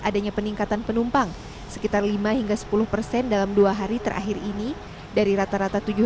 adanya peningkatan penumpang sekitar lima hingga sepuluh persen dalam dua hari terakhir ini dari rata rata